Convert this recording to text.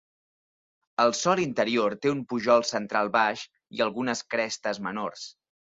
El sòl interior té un pujol central baix i algunes crestes menors.